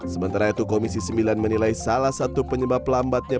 sementara itu komisi sembilan menilai salah satu penyebab lambatnya